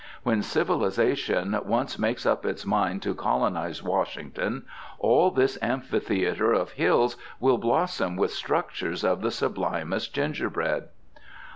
When civilization once makes up its mind to colonize Washington, all this amphitheatre of hills will blossom with structures of the sublimest gingerbread.